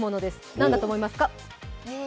何だと思いますか？